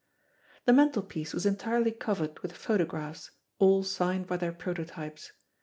The mantelpiece was entirely covered with photographs, all signed by their prototypes.